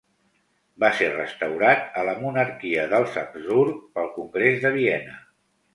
Va ser restaurat a la monarquia dels Habsburg pel congrés de Viena.